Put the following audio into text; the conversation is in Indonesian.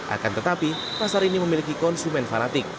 akan tetapi pasar ini memiliki konsumen fanatik